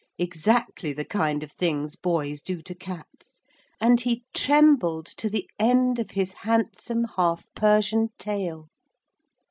exactly the kind of things boys do to cats, and he trembled to the end of his handsome half Persian tail.